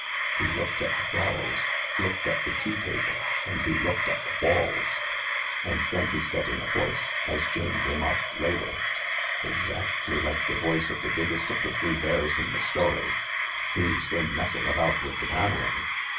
He looked at the flowers, looked at the tea table, and he looked at the walls — and then he said in a voice (as Jane remarked later) exactly like the voice of the biggest of the three bears in the story :" Who's been messing about with the panelling